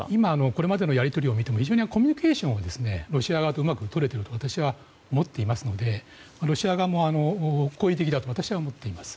これまでのやり取りを見ても非常にコミュニケーションはロシア側とうまく取れていると私は思っていますのでロシア側も好意的だと私は思っています。